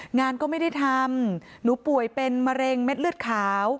งานก็ไม่ได้ทำหนูป่วยเป็นมะเร็งเม็ดเลือดขาว